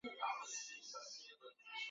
艾伦瑞克认为自己是犹太人。